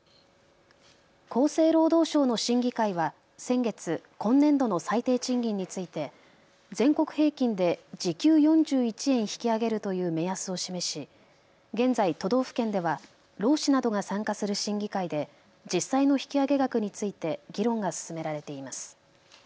厚生労働省の審議会は先月、今年度の最低賃金について全国平均で時給４１円引き上げるという目安を示し、現在、都道府県では労使などが参加する審議会で実際の引き上げ額について議論が進められています。